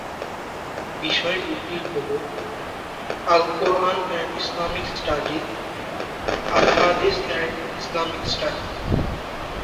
বিষয় দুটি হলো Al Quran and Islamic studies, Al Hadith and Islamic studies.